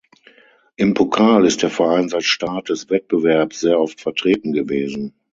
Im Pokal ist der Verein seit Start des Wettbewerbs sehr oft vertreten gewesen.